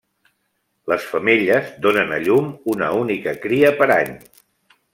Les femelles donen a llum una única cria per any.